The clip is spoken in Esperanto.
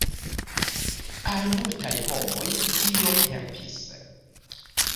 Al multaj homoj tio helpis.